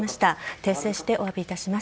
訂正してお詫びいたします。